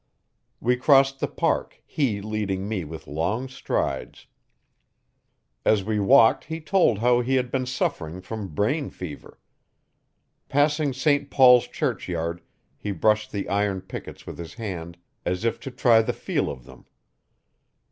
We crossed the park, he leading me with long strides. As we walked he told how he had been suffering from brain fever. Passing St Paul's churchyard he brushed the iron pickets with his hand as if to try the feel of them.